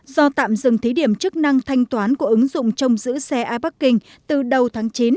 do tạm dừng thí điểm chức năng thanh toán của ứng dụng trong giữ xe ai bắc kinh từ đầu tháng chín